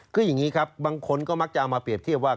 คืออย่างนี้ครับบางคนก็มักจะเอามาเปรียบเทียบว่า